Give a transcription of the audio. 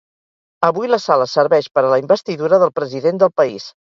Avui la sala serveix per a la investidura del President del País.